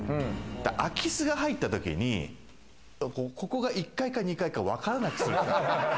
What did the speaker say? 空き巣が入った時にここが１階か２階かわからなくするため。